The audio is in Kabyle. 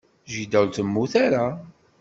Jida ur temmut ara.